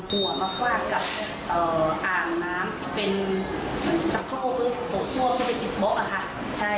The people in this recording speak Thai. หัวมาฝากกับเอ่ออ่านน้ำเป็นตกซั่วไปไปติดบ๊อกอะค่ะใช่